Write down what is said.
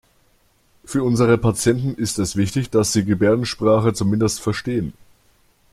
Für unsere Patienten ist es wichtig, dass Sie Gebärdensprache zumindest verstehen.